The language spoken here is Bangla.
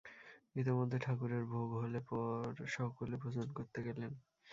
ইতোমধ্যে ঠাকুরের ভোগ হলে পর সকলে ভোজন করতে গেলেন।